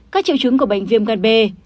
các triệu chứng của bệnh viêm gan b